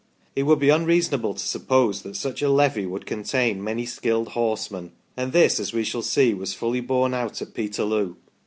It would be unreasonable to suppose that such a levy would contain many skilled horsemen, and this, as we shall see, was fully borne out at Peterloo.